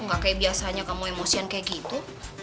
gak kayak biasanya kamu emosian kayak gitu